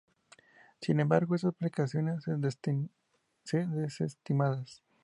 Sin embargo, estas aplicaciones se desestimadas.